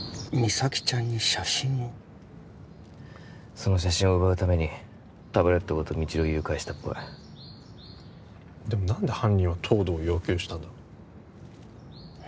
その写真を奪うためにタブレットごと未知留を誘拐したっぽいでも何で犯人は東堂を要求したんだ